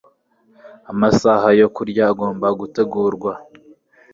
Amasaha yo kurya agomba gutegurwa